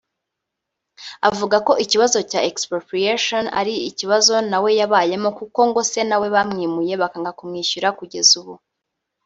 Avuga ko ikibazo cya ‘expropriation’ ari ikibazo nawe yabayemo kuko ngo se nawe bamwimuye bakanga kumwishyura kugeza ubu